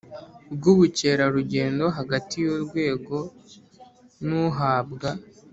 Bw ubukerarugendo hagati y urwego n uhabwa